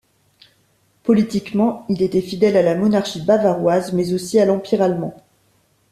Politiquement, il était fidèle à la monarchie bavaroise, mais aussi à l'empire allemand.